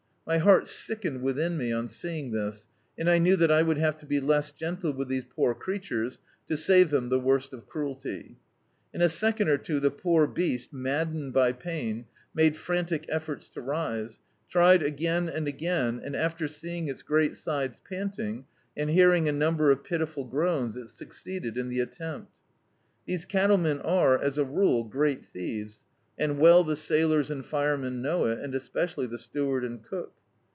My heart sickened within me, on seeing this, and I knew that I would have to be less gentle with these poor creatures to save them the worst of cruelty. In a second or two the poor beast, maddened by pain, made frantic efforts to rise, tried again and again, and after seeing its great sides panting, and hearing a number of pitifid groans, it succeeded in the at tempt. TTiese cattlemen are, as a rule, great thieves, and well the sailors and firemen know it, and especially the steward and cook.